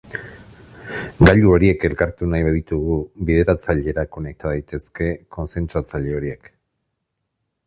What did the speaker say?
Gailu horiek elkartu nahi baditugu, bideratzailera konekta daitezke kontzentratzaile horiek.